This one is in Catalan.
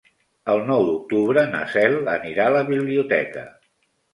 El nou d'octubre na Cel anirà a la biblioteca.